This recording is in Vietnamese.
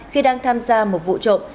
khi đang tham gia một vụ trộm